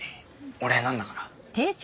お礼なんだから。